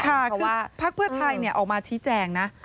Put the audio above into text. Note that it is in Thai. คือภาคเพื่อไทยเนี่ยออกมาชี้แจงนะ